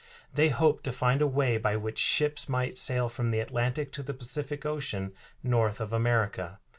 They hoped to find a way by which ships might sail from the Atlantic to the Pacific Ocean north of America.